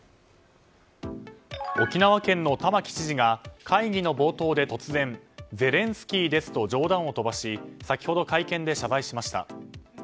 沖縄県の玉城知事が会議の冒頭で突然ゼレンスキーですと冗談を飛ばし先ほど、会見で謝罪しました。